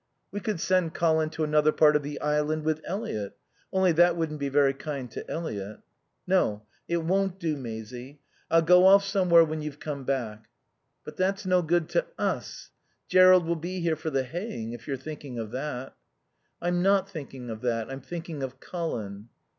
"We could send Colin to another part of the island with Eliot. Only that wouldn't be very kind to Eliot." "No. It won't do, Maisie. I'll go off somewhere when you've come back." "But that's no good to us. Jerrold will be here for the haying, if you're thinking of that." "I'm not thinking of that. I'm thinking of Colin."